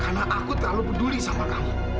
karena aku terlalu peduli sama kamu